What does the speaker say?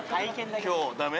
今日ダメ？